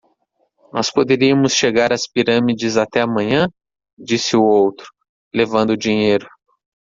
"Nós poderíamos chegar às Pirâmides até amanhã?" disse o outro? levando o dinheiro.